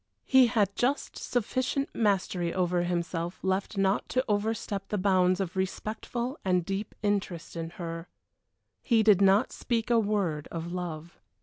He had just sufficient mastery over himself left not to overstep the bounds of respectful and deep interest in her. He did not speak a word of love.